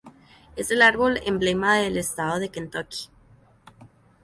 Es el árbol emblema del estado de Kentucky.